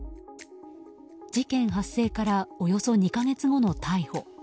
事件発生からおよそ２か月後の逮捕。